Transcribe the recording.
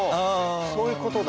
そういうことだ。